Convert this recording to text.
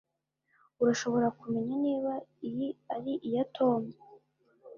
Urashobora kumenya niba iyi ari iya Tom